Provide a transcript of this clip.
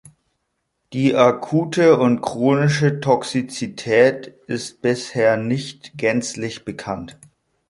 Die akute und chronische Toxizität ist bisher nicht gänzlich bekannt.